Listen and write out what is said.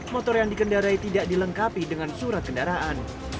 motor yang dikendarai tidak dilengkapi dengan surat kendaraan